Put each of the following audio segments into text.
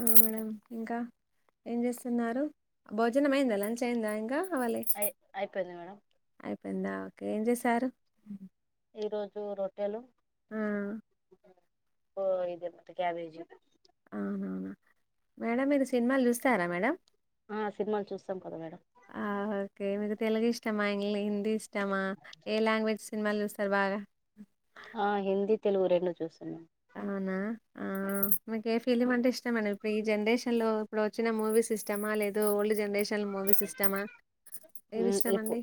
ఆ మేడం ఇంకా? ఏం చేస్తున్నారు? భోజనం అయింద లంచ్ అయింద ఇంకా? కాలె. అయి అయిపోయింది మేడం అయిపోయిందా ఒకె ఏం జేశారు? ఈ రోజూ రొట్టెలు ఆ ఓ ఇది పెద్ద క్యాబేజు మ్యామ్ అవునా అవునా మేడం మీరు సినిమాలు జూస్తారా మేడం? ఆ సినిమాలు చూస్తాం కద మేడం. కే మీకు తెలుగు ఇష్టమా? ఇంగ్లీ హిందీ ఇష్టమా? ఏ లాంగ్వేజ్ సినిమాలు చూస్తారు బాగా? ఆ హిందీ, తెలుగు రెండు చూస్తా మ్యామ్ ఔనా! ఆ మీకు ఏ ఫిలిమ్ అంటే ఇష్టం మండి? ఇప్పుడు ఈ జనరేషన్ లో ఇప్పుడు ఒచ్చిన మూవీస్ ఇష్టమా? లేదూ, ఓల్డ్ జనరేషన్ మూవీస్ ఇష్టమా? ఏవి ఇష్టమండీ?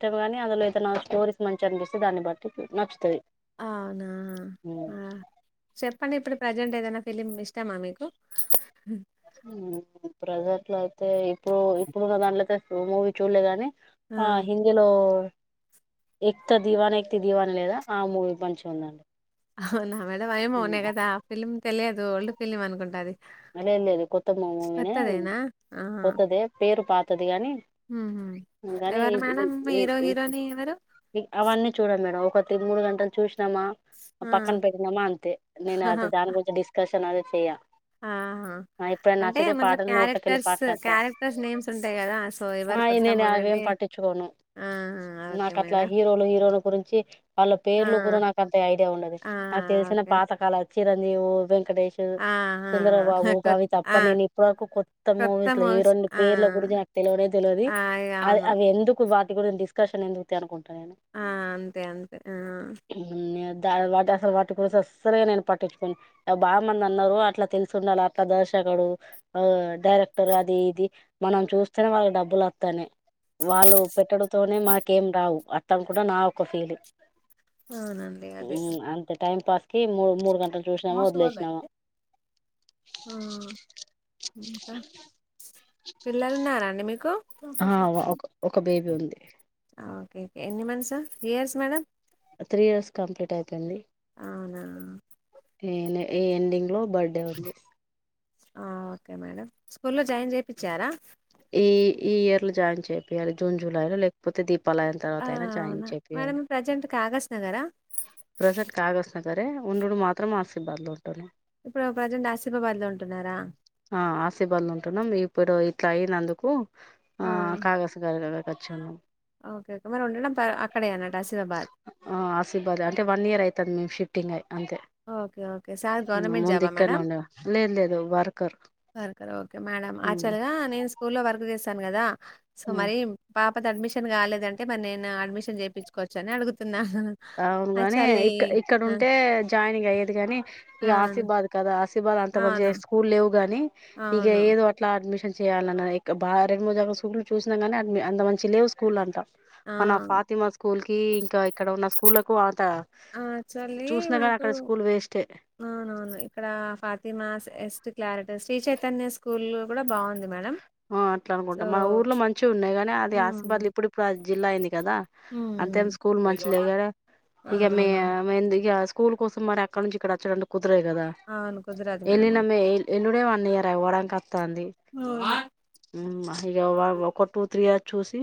ష్టం గనీ అందులో ఏదన్నా స్టోరీస్ మంచి అనిపిస్తే దాన్ని బట్టి నచ్చుతది. అవునా, మ్ ఆ చెప్ పండి ఇప్పుడు ప్రజెంట్ ఏదైనా ఫిలిం ఇష్టమా మీకు? ఉ ప్రెజెంట్ లో అయితే ఇప్పుడూ ఇప్పుడు ఉన్నదాంట్లో అయితే మూవీ చూడ్లే గనీ ఆ హిందిలో ఎక్త దీవాన ఎక్తి దీవాని లేదా ఆ మూవీ మంచిగుందండి. అహ్హవునా మేడం ఏమో నే గదా ఆ ఫిలిమ్ తెలియదు. ఓల్డ్ ఫిలిం అనుకుంట అది లేదు లేదు కొత్త మావీమనే కొత్తదేనా ఆహా కొత్తదే పేరు పాతది గనీ ఉహు గనీ ఎవరు ఎ మేడం ఎ హీరో ఎ హీరోని ఎవరు ఎ అవన్నీ చూడను మేడం. ఒక ఇది మూడు గంటల్ చూసినమా ఆ పక్కన పెట్టినమా అంతే నేను ఆహా అది దాని గురించి డిస్కస్ కన్ అది చేయ్య ఆహా అంటే మన్ల పాటలు నోట్లకెళ్ళి క్యారెక్టర్స్ పాటలంతా క్యారెక్టర్స్ నేమ్స్ ఉంటయి గదా సో ఏవ్వ అయి నేనా అవేం పట్టించుకోను. ఓకే నాకు అట్లా మేడం హీరోలు హీరోన్ గురించి వాళ్ళ ఆ పేర్లు గురు నాకు అంత ఐడియా ఉండది. ఆ నాకు తెలిసిన ఓకే పాతకాల చిరంజీ ఓ వెంకటేష్ ఆ చంద్రబాబు ఆ కొ కావి తప్ప ఆ నేను ఇప్పటి వరకు కొత్త మూవీస్ లో ఈ రెండు పేర్ల గురించి నాకు తెలువనే తెలువదు అది ఆ అవును అవి ఎందుకు వాటి కూడా డిస్కషన్ ఎందుకు తి అనుకుంట ఆ అంతే అంతే ఆ వాటి అసలు వాటి కోస అసలుగా నేను పట్టించుకోని బాగా మంది అన్నారు అట్లా తెలిసుండాలి అట్లా దర్శకుడు డైరెక్టర్ అది ఇది మనం చూస్తేనే వాళ్ళకి డబ్బులు అతనే వాళ్ళు పెట్టడతోనే మనకేం రావు అతనుకు నా ఒక ఫీలింగ్ అవునండి అదే అంత టైం పాస్ కి మూ మూడు గంటలు చూసినాము వదిలేసినాము ఆ ఇంకా పిల్లలు ఉన్నారా అండి మీకు ఆ ఒక ఒక బేబీ ఉంది ఓకే ఓకే ఎన్ని months years madam three years complete అయితాంది అవునా ఏ ఈ ఎండింగ్ లో బర్త్డే ఉంది ఆ ఓకే మేడం స్కూల్లో జాయిన్ చేపిచ్చారా ఈ ఈ ఇయర్ లో జాయిన్ చేపియ్యాలి జూన్ జులై లో లేకపోతే దీప్ ప్పలాన ఆ తర్వాత అయినా జాయింట్ అవునా మేడం చేపియాలి ప్రజెంట్ కాగస్ నగరా ప్రజెంట్ కాగా వస్తున సరే ఉండుడు మాత్రం మాసిబాద్ లోనే ఇప్పుడు ప్రజెంట్ ఆసిఫాబాద్ లో ఉంటున్నారా ఆ ఆసిబాద్ లో ఉంటున్నాం మీ ఇప్పుడు ఇట్లా అయినందుకు ఆ కాగస్ దగ్గరకు వచ్చినం ఓకే ఓకే మరి ఉండడం ప అక్కడే అన్నట్టు ఆసిఫాబాద్ ఆ ఆశీబాద అంటే వన్ ఇయర్ అయితాంది మేము షిప్ okay okay sir the government ముందు జాబా ఇక్కడనే మేడం ఉండే లేదు లేదు వర్కర్ వర్కర్ ఓకే మేడం ఉమ్ యాక్చువల్ గా నేను స్కూల్ లో వర్క్ చేస్తాను కదా సో ఉమ్ మరి పా త అడ్మిషన్ కాలేదంటే మరి నేను అడ్మిషన్ చేపించుకోవచ్చు అని అడుగుతున్నా అవును అని యాక్చువల్లీ ఇక్క ఇక్కడ ఆ ఉంటే జాయినింగ్ అయ్యేది కాగాని ఇక అవును ఆశిబాద్ కదా ఆశీ ఇవ్వాల అంత మంచిగా అవును స్కూల్ లేవు గాని ఇక అవును. ఏదో అట్లా అడ్మిషన్ చేయాలన్న ఇక బా రెండు మోజో స్కూ చూసినాగాని అడ్ అంత మంచిగా లేవు స్కూల్ అంతా ఆ! మన ఫాతిమా స్కూల్ కి ఇంకా ఇక్కడ ఉన్న స్కూల్లకు అంత ఆ! యాక్చువల్లీ చూసినా గా మాకు అక్కడ స్కూల్ వేస్ట్ ఏ అవునవును ఇక్కడ ఫాతిమాస్ ఎస్టు క్లారట శ్రీ చైతన్య స్కూల్ కూడా బాగుంది మేడం ఆ అట్లా సో అనుకుంటా మా ఊర్లో మంచిగా ఉన్నాయి గాని అది ఆసిబాద్ లో హ్మ్. ఇప్పుడు ఇప్పుడు ఆ జిల్లా అయింది కదా అంతేం హ్మ్. స్కూల్ మంచిలే గద ఆ! ఇక మీ ఏమైంది ఇగ స్కూల్ కోసం మరి అక్కడ నుంచి ఇక్కడ అచ్చుడంటే కుదరదు కదా అవును. కుదరదు మేడం అది. ఏళ్ళినమే ఎల్ ఎల్లుడే వన్ ఇయర్ అవ్వడానికి అత్తంది అవును. ఇక ఒక టూ త్రీ ఇయర్ చూసి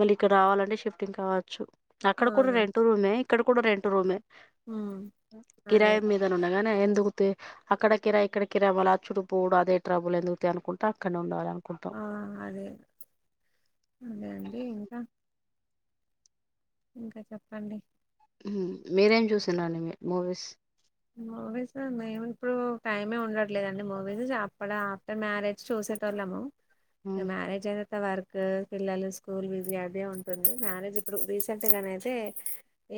మళ్ళీ ఇక్కడ రావాలంటే షిఫ్టింగ్ కావచ్చు అక్కడ కూడా అవును. రెంటులున్నాయి ఇక్కడ కూడా రెంటులున్నాయి హ్మ్. అదే. కిరాయి మీద నున్న గానే ఎందుకు తీ అక్కడ కిరాయి ఇక్కడ కిరాయి వాళ్ళ అచ్చుడు పోవుడు అదే ట్రాబ్బులు ఎందుకు తీ అనుకుంటా ఇక్కడనే ఉండాలా ఆ అదే అదే అండి ఇంకా ఇంకా చెప్పండి మీరేం చూసినండి మీ మూవీస్ మూవీస్ మేము ఇప్పుడు టైమే ఉండట్లేదండి మూవీస్ అప్పడ ఆఫ్టర్ మ్యారేజ్ చూసి చూసేటోళ్ళము ఏ మ్యారేజ్ అయ్యా వర్క్ పిల్లలు స్కూల్ విది అదే ఉంటుంది మ్యారేజ్ ఇప్పుడు రీసెంట్గానైయితే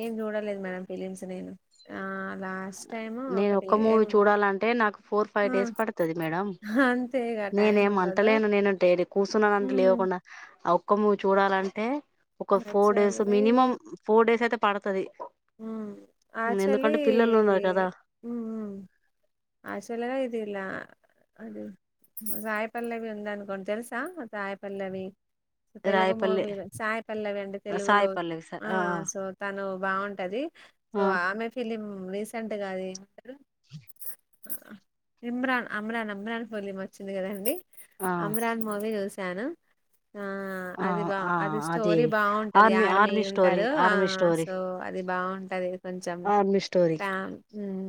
ఏం చూడలేదు మేడం ఫిలిమ్స్ నేను ఆ అలా నేను ఒక్క మూవీ చూడాలంటే నాకు ఫోర్ ఫైవ్ ఆ డేస్ పడుతది మేడం అంతే ఇగ టైం నేనేం ఉండదు అంతలేను నేనుంటడైర కూర్చున్నాను అంత మ్మ్ లేకుండా ఆ ఒక్క మూవీ చూడాలంటే ఒక four days actually minimum four days అయితే పడుతది హ యాక్చువల్లీ పిల్లలు ఇదే ఉన్నారు కదా అసలే ఇదిలా అదే సాయి పల్లవి ఉందనుకోండి తెలుసా సాయి పల్లవి తెలుగు రాయపల్లి మూవీలు సాయిపల్లవి అండి తెలుగులో సాయి పల్లవి సార్ ఆ సో తను బాగుం అది సో ఆ ఆమె ఫిలిం రీసెంట్ గా అది ఇమ్రాన్ అమ్రాన్ అమ్రాన్ ఫిలిం వచ్చింది కదండి ఆ అమ్రాన్ మూవీ చూస్ ను ఆ ఆ అది బా ఆ అది స్టోరీ బాగుంటది ఆర్మీ స్టోరీ ఉంటారు ఆ ఆర్మీ స్టోరీ సో అది బాగు ఆర్మీ స్టోరీ హ్మ్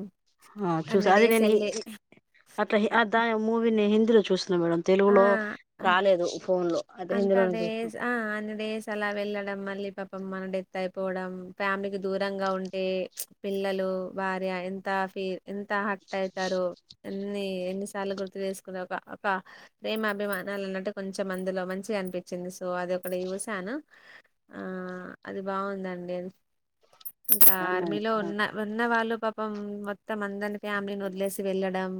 ఆ అన్ని చూసా డేస్ వెళ్ళి అత ఆ దా మూవినిహిన్ ఆ ఫోన్ లో అదే అంత హిందీలోనే చూసినాం డేస్ ఆ అన్ని డేస్ అలా వెళ్ళడం మళ్ళీ పాపం మన డెత్ అయిపోవడం ఫ్యామిలీకి దూరంగా ఉంటే పిల్లలు భార్య ఎంత కాఫీ ఎంత హర్ట్ అయితారు ఎన్ని ఎన్ని సార్లు గుర్తు చేసుకున్న ఒక ఒక ప్రేమ అభిమానలు అన్నట్టు కొంచెం అందులో మంచిగా అనిపించింది సో అది ఒకటి చూశాను ఆ ఆ అది బాగుందండి ఇంకా అన్నది ఆర్మీలో ఉన్న ఉన్న వాళ్ళు పాపం మొత్తం అందరిని ఫ్యామిలీని వదిలేసి వెళ్ళడం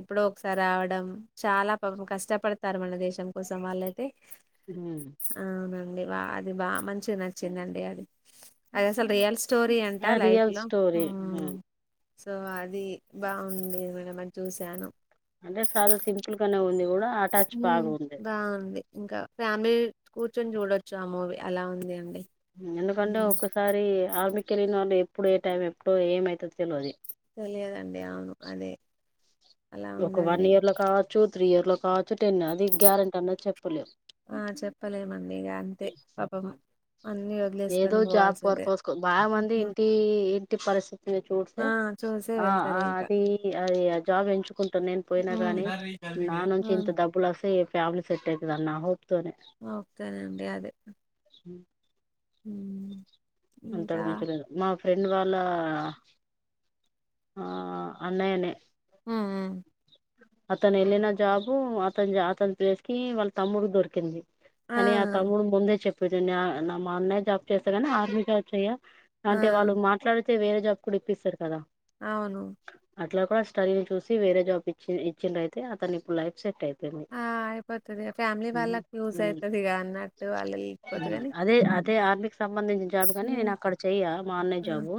ఎప్పుడో ఒకసారి రావడం చాలా పాపం కష్టపడతారు మన దేశం కోసం వాళ్ళయితే ఉమ్ బ అది బాగా మంచి నచ్చిందండి అది అది అసలు రియల్ స్ స్టోరీ అంట అది లైఫ్ రియల్ లో స్టోరీ సో అది బాగుందేమోనని అని చూశాను అంటే సాలా సింపుల్ కానే ఉంది కూడా అటాచ్ ఉమ్ బాగుంది బాగుంది ఇంకా ఫ్యామిలీ కూర్చొని చూడొచ్చు ఆ మూవీ అలా ఉంది అండి ఎందుకంటే ఉమ్, ఒక్కసారి ఆర్మీకి వెళ్ళిన వాళ్ళు ఎప్పుడు ఏ టైం ఎప్పుడో ఏమైతదో తెలవది తెలియదండి అవును అదే అలా ఉందండి టు త్రి ఇయర్ లో కాద్ టు టెన్ అవి గారంటీ అంట చెప్పులు ఆ చెప్పలేమండి ఇగ అంతే పాపం అన్ని ఏదో వదిలేసుకొని జాబ్ పోవాల్సిందే పర్పస్ బాగా మంది హుహు. ఇంటి ఇంటి పరిస్థితిని చూస్తే ఆ చూసే ఆ వెళ్తారు ఆ ఇంకా అది అది ఆ జాబ్ ఎంచుకుంటాను నేను పోయినా గాని నా నుంచి ఆ ఇంత డబ్బులు వస్తే ఫ్యామిలీ సెట్టయ్యితది అన్నాను ఓక్తదండి అదే ఉమ్ అంత మంచి లేదు మా ఫ్రెండ్ వాళ్ళ అన్నయ్యనే హ్మ్. హ్మ్. అతను వెళ్ళిన జాబు అతని అతని ప్లేస్ కి వాళ్ళ తమ్ముడుకి దొరికింది అని ఆ తమ్ముడు ముందే చెప్పేది నా మా అన్నయ జాబ్ చేస్తాని ఆర్మీ జాబ్ చెయ ఆ అంటే వాళ్ళు మాట్లాడితే వేరే జాబ్ కూడా ఇప్పిస్తారు కదా అవును ఇట్లా కూడా స్టడీని చూసి వేరే జాబ్ ఇచ్చ ఇచ్చినట్లయితే అతను ఇప్పు లైఫ్ సెట్ అయిది ఆ అయిపోతుది ఫ్యామిలీ వాళ్ళకి యూజ్ ఉమ్ అయితుది ఇక అన్నట్టు వాళ్ళు వెళ్ళిపోతే ఉమ్ అదే అదే ఆర్మీకి సంబంధించిన జాబ్ గాని నేను అక్కడ చెయ్య మా అన్నయ ఆ జాబు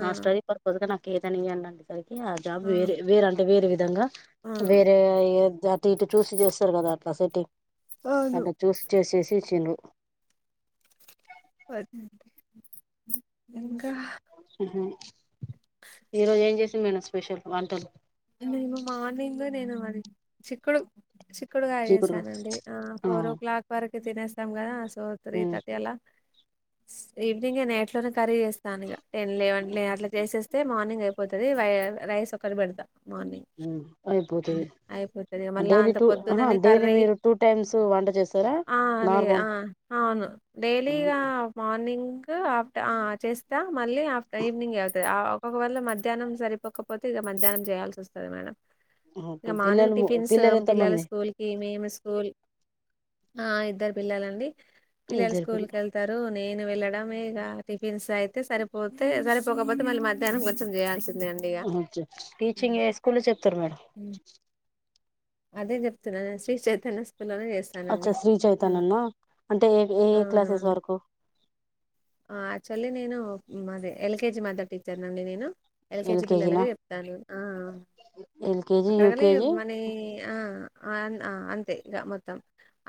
ఆ నా స్టడీ పర్పస్గా నా కేదన్న ఇయ్యండనేసరికి అనేసరికి ఆ జాబ్ వేరే వేర అంటే వేరే విధంగా ఆ వేరే అటు ఇటు చూసి చేస్తారు కదా అట్లా సటి అవును అలా చూసి చేసేసి చి వద్ ఈరోజు ఏం చేసింమేన స్పెషల్ వంటలు నేను మార్నింగ్ నేను మరి చిక్కడు చిక్కుడు కాయ చీకుడుగా చేసానండి ఆ ఫోర్ ఓ క్లాక్ వరకు తినేస్తాం కదా సో త్రీ థర్టీ అలా ఈవినింగ నేన్ ఎట్లోనే కర్రీ చేస్తాను ఇక టెన్ లెవెన్ అట్లా చేసేస్తా అయితే మార్నింగ్ అయిపోతది రైస్ ఒక్కటి పెడతా మార్నింగ్ ఉమ్ అయిపోతది అయిపోతది మళ్ళా డైలీ అంత టూ ఆహా పొద్దుననే డైలీ కర్రీ మీరు టూ టైమ్స్ వంట చేస్తారా ఆ లే నార్మల్ ఆ అవును డైలీగా మార్నింగ్ ఆఫ్ట ఆ చేస్తా మళ్ళీ ఆఫ్ట ఈవినింగే అవుతది ఒక్కవేళ మధ్యాహ్నం సరిపోకపోతే మధ్యాహ్నం చేయాల్సొస్తది మేడం ఇగ మార్నింగ్ పిల్లలు టిఫిన్స్ పిల్లలు ఎంత పిల్లల మంది స్కూల్ కి మేము స్కూల్ ఆ ఇద్దరు పిల్లలండి పిల్లలు ఇద్దరు స్కూల్కి యెళ్తారు నేను వెళ్ళడ మేగా టిఫిన్స్ అయితే సరిపోతే సరిపోకపోతే మళ్ళీ మధ్యాహ్నం కొంచెం చేయల్సి టీచింగ్ ఏ స్కూల్లో చెప్తారు మేడం హ్మ్. అదే చెప్తున్నా శ్రీ చైతన్య స్కూల్‌లోనే అచ్చా చేస్తానండి. శ్రీ ఆ! చైతన్య నా అంటే ఏ ఏ ఏ క్లాసెస్ అవునవును. వరకు ఆ యాక్చువల్లీ నేను మాది ఎల్కెజి మదర్ టీచర్ నండి నేను ఎల్కేజీ ఎల్కేజీనా పిల్లలకి చెప్తాను ఆ ఎల్కేజీ అక్కడకని యూకేజీ మనీ ఆ అంతే ఇగ మొత్తం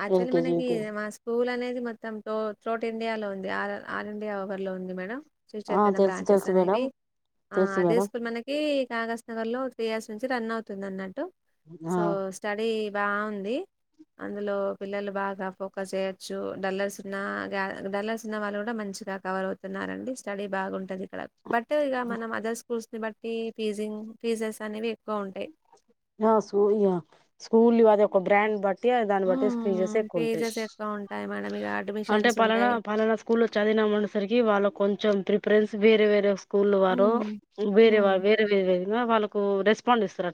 యాక్చువల్లీ ఎల్కేజీ మనకి యూకేజీ మా స్కూల్ అనేది ది మొత్తం త్రోట్ ఇండియాలో ఉంది ఆల్ ఇండియా ఓవర్ లో ఉంది మేడం ఆ శ్రీచైతన్య తెలుసు బ్రాంచెస్ తెలుసు మేడం అనేవి ఆ తెలుసు అదే మేడం స్కూల్ మనకి కాగాజ్ నగర్ లో త్రీ ఇయర్స్ నుంచి రన్ అవుతుంది అన్నట్టు సో ఆ స్టడీ బాగుంది అందులో పిల్లలు బాగా ఫోకస్ చేయొచ్చు డల్లర్స్ ఉన్న డల్లర్స్ ఉన్న వాళ్ళు కూడా మంచి గా కవర్ అవుతున్నారండి స్టడీ బాగుంటది క్కడ బట్ ఇగ మనం అదర్ స్కూల్స్ ని బట్టి ఫీజింగ్ ఫీజెస్ అనేవి ఎక్కువ ఉంటాయి ఆ స్కూల్ ఇగ స్కూల్ అది ఒక బ్రాండ్ బట్టి దాన్ని బట్టి ఫీసెస్ ఉమ్ ఎక్కువుంటయ్ ఫీజెస్ ఎక్కువ ఉంటాయి మేడం ఇక అంటే అడ్మిషన్స్ పలానా ఉంటాయి పలానా స్కూల్ లో చదివినాం అనేసరికి వాళ్ళు కొంచెం ప్రి ఫర్ణెస్ వేరే వేరే స్కూల్ వారు ఉమ్ వేరే ఉమ్ వేరే వేరే విధంగా వాళ్ళకు రెస్పాండ్ ఇస్తారు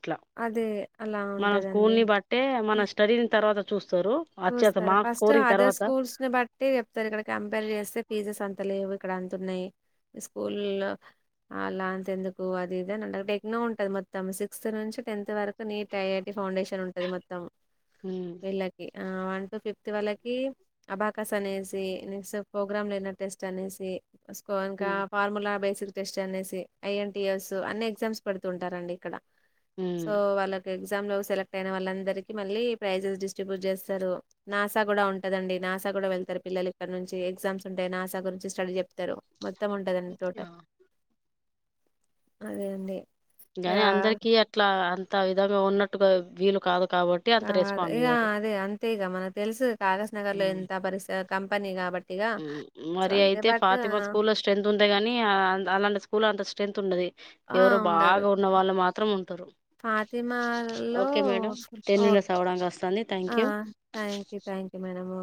అదే అలా మన స్కూల్ ఉంటదండి ని బట్టే మన స్టడీ తర్వాత చూస్తారు వచ్చేత చూస్తారు మార్క్స్ ఫస్ట్ స్కోరింగ్ అదర్ తర్వాత స్కూల్స్ ని బట్టి చెప్తారు ఇక్కడ కంపేర్ చేస్తే ఫీజెస్ అంత లేవు అక్కడ అంతున్నాయి మీ స్కూల్ అలా అంత ఎందుకు అది ఇదని అంటరూ టెక్నో ఉంటది మొత్తం సిక్స్త్ నుంచి టెన్త్ వరకు నీట్ ఐఐటి ఫౌండేషన్ ఉంటది మొత్తం ఉమ్ వన్ టు ఫిఫ్త్ వాళ్ళకి అబాకస్ అనేసి నెక్స్ట్ ప్రోగ్రామ్ లేన టెస్ట్ అనేసి సుకో ఇంకా ఉమ్ ఫార్ములా బేస్ టెస్ట్ అనేసి ఐఎన్టిఎస్ అన్ని ఎగ్జామ్స్ పెడుతు ఉంటారండి ఇక్కడ ఉమ్ సో వాళ్ళకి ఎగ్జామ్ లో సెలెక్ట్ అయిన వాళ్ళందరికీ మళ్ళీ ప్రైజెస్ డి స్ట్రిబ్యూట్ చేస్తారు నాసా కూడా ఉంటదండి నాసా కూడా వెళ్తారు పిల్లలు ఇక్కడ నుంచి ఎగ్జామ్స్ ఉంటాయి నాసా గు రించి స్టడీ చెప్తారు మొత్తం ఉంటుందండి టోటల్ అదే అండి ఇగ గాని అందరికిీ అట్లా అంత విధంగా ఉన్నట్టుగా వీలు కాదు కాబట్టి అంత ఆ రెస్పాండ్ ఇగ అయ్యారు అదే అంతే ఇక మనకు తెలుసు కాగజ్ నగర్ లో ఉమ్ ఎంత బరి కంపెనీ కాబట్టి ఇగ సో మరి అంతే అయితే బట్ ఫాతిమా స్కూల్ లో స్ట్రెంత్ ఉంది గాని అలాంటి స్కూల్ అంత స్ట్రెంత్ ఉండది ఆ ఎవరు బాగా ఉన్న వాళ్ళు మాత్రం ఉంటారు ఫాతిమా లో ఓకే మేడం టెన్ ఓ మినిట్స్ అవ్వడానికి వస్తుంది thank you thank you thank you ఏమైనమూ